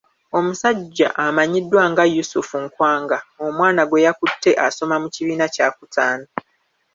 Omusajja amanyiddwa nga Yusuf Nkwanga omwana gwe yakutte asoma mu kibiina kyakutaano.